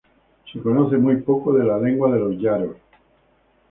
Se conoce muy poco de la lengua de los yaros.